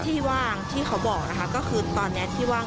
ที่ว่างที่เขาบอกนะคะก็คือตอนนี้ที่ว่าง